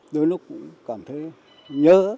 đôi lúc cũng cảm thấy nhớ